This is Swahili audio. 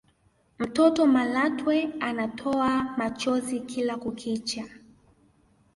mtoto malatwe anatoa machozi kila kukicha